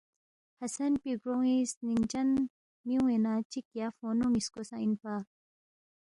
حسن پی گرونی سنینگ چن میونی نہ چک یا فونو نیسکو سا انپا۔